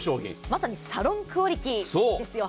まさにサロンクオリティーですよ。